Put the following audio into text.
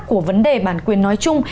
của vấn đề bản quyền nói chung